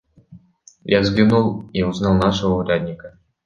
Я взглянул и узнал нашего урядника.